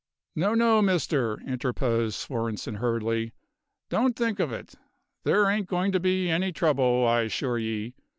"No, no, Mister," interposed Svorenssen hurriedly, "don't think of it. There ain't goin' to be any trouble, I assure ye.